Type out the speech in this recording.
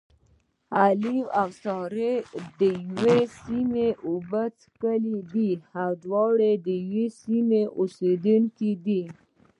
علي او سارې دیوې سیمې اوبه څښلې دي. دواړه د یوې سیمې اوسېدونکي دي.